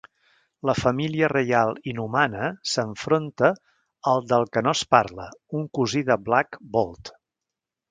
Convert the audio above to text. La Família Reial Inhumana s'enfronta al del que no es parla, un cosí de Black Bolt.